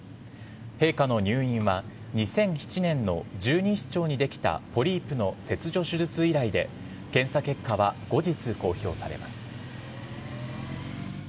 陛下の入院は２００７年の十二指腸にできたポリープの切除手術以来で、検査結果は後日公表されます。